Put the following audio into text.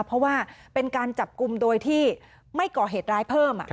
เพราะว่าเป็นการจับกลุ่มโดยที่ไม่ก่อเหตุร้ายเพิ่ม